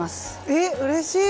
えっうれしい！